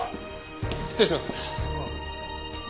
失礼します。